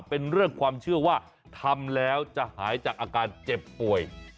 เป็นเรื่องความเชื่อว่าทำแล้วจะหายจากอาการเจ็บป่วย